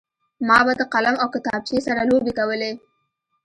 ما به د قلم او کتابچې سره لوبې کولې